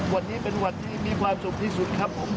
วันนี้เป็นวันที่มีความสุขที่สุดครับผม